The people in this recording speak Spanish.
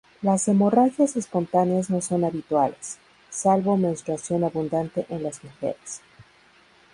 Las hemorragias espontáneas no son habituales, salvo menstruación abundante en las mujeres.